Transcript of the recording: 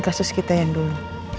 terus kita yang dulu